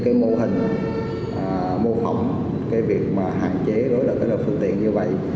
cái mô hình mô phỏng cái việc mà hạn chế đối lập với đậu phương tiện như vậy